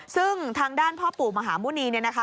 ซึ่งทางด้านพ่อปู่มหาหมุณีเนี่ยนะคะ